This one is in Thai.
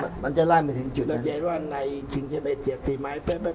แล้วเจฟว่าในจึงเจียกตีไม้เป๊ะใช่มะ